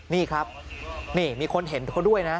นี่ครับนี่มีคนเห็นเขาด้วยนะ